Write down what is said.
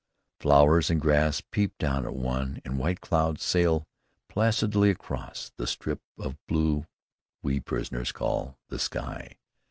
Flowers and grass peep down at one, and white clouds sail placidly across "The strip of blue we prisoners call the sky."